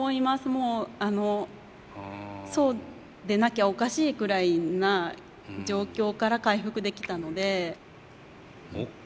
もうそうでなきゃおかしいくらいな状況から回復できたので。